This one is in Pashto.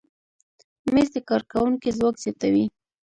مېز د کارکوونکي ځواک زیاتوي.